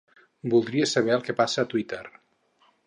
Voldria saber el que passa a Twitter.